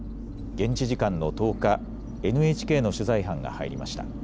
現地時間の１０日、ＮＨＫの取材班が入りました。